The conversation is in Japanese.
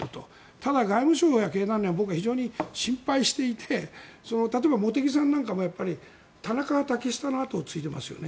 ただ、外務省や経団連は僕は非常に心配していて例えば茂木さんなんかも田中派、竹下派のあとを継いでますよね。